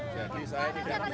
jadi saya tidak bisa